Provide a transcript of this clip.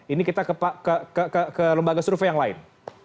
ini kita ke lembaga survei yang lain